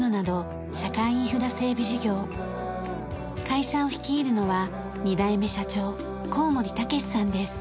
会社を率いるのは２代目社長幸森武史さんです。